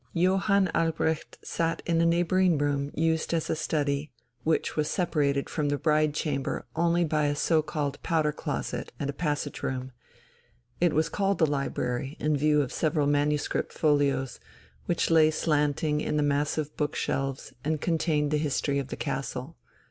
Johann Albrecht sat in a neighbouring room used as a study, which was separated from the "Bride chamber" only by a so called powder closet and a passage room. It was called the library, in view of several manuscript folios, which lay slanting in the massive book shelves and contained the history of the castle.